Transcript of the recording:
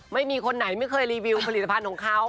ไม่มีคนไหนไม่เคยรีวิวผลิตภัณฑ์ของเขา